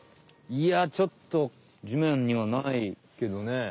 いやちょっと地面にはないけどね。